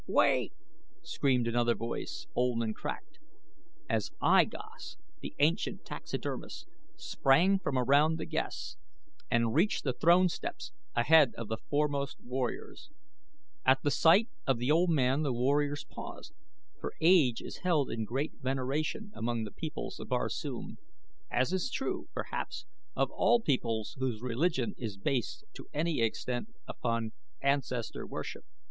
"Wait!" screamed another voice, old and cracked, as I Gos, the ancient taxidermist, sprang from among the guests and reached the throne steps ahead of the foremost warriors. At sight of the old man the warriors paused, for age is held in great veneration among the peoples of Barsoom, as is true, perhaps, of all peoples whose religion is based to any extent upon ancestor worship.